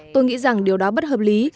tôi nghĩ rằng điều đó bất hợp lý